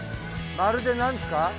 まるで何ですか？